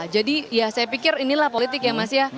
jadi ya saya pikir inilah politik ya mas ya